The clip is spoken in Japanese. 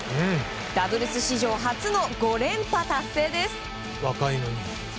ダブルス史上初の５連覇達成です。